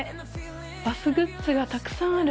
バスグッズがたくさんある。